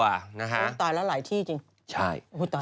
ตายแล้วหลายที่จริง